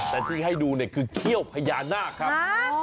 แต่ที่ให้ดูเนี่ยคือเขี้ยวพญานาคครับ